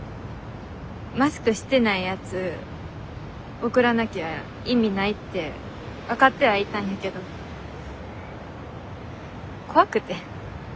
マスクしてないやつ送らなきゃ意味ないって分かってはいたんやけど怖くて。